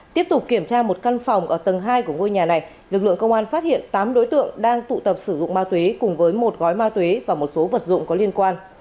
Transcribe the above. tiếp tục kiểm tra một căn phòng ở tầng hai của ngôi nhà này lực lượng công an phát hiện tám đối tượng đang tụ tập sử dụng ma túy cùng với một gói ma túy và một số vật dụng có liên quan